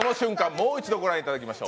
もう一度ご覧いただきましょう。